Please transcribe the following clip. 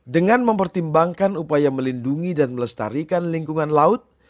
dengan mempertimbangkan upaya melindungi dan melestarikan lingkungan laut